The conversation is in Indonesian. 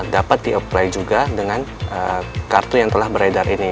dapat di apply juga dengan kartu yang telah beredar ini